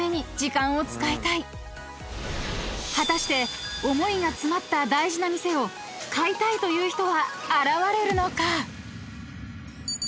［果たして思いが詰まった大事な店を買いたいという人は現れるのか？］